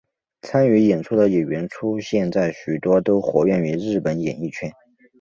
参与演出的演员现在许多都活跃于日本演艺圈。